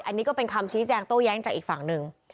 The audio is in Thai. อันนี้ก็เป็นคำชี้แจงโต้แย้งจากอีกฝั่งหนึ่ง